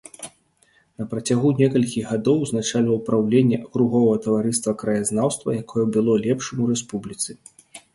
На працягу некалькіх гадоў узначальваў праўленне акруговага таварыства краязнаўства, якое было лепшым у рэспубліцы.